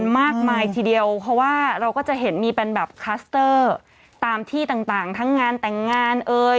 มากมายทีเดียวเพราะว่าเราก็จะเห็นมีเป็นแบบคลัสเตอร์ตามที่ต่างทั้งงานแต่งงานเอ่ย